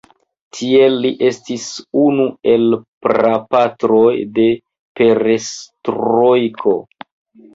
Tiel li estis unu el prapatroj de perestrojko.